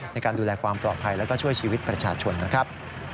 ในการดูแลความปลอดภัยแล้วก็ช่วยชีวิตประชาชนนะครับ